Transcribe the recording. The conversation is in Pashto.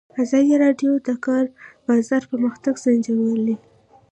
ازادي راډیو د د کار بازار پرمختګ سنجولی.